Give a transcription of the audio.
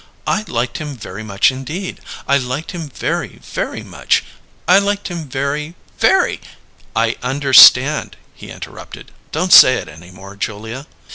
"I liked him very much indeed. I liked him very, very much. I liked him very, very " "I understand," he interrupted. "Don't say it any more, Julia."